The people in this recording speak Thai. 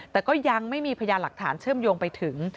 แต่ก็ยังไม่มีพยานหลักฐานเชื่อมโยงไปถึง